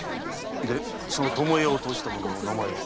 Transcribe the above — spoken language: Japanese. でその巴屋を通した者の名前は？